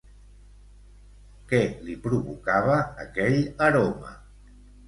Què li provocava aquell aroma?